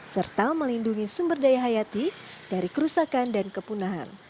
serta melindungi sumber daya hayati dari kerusakan dan kepunahan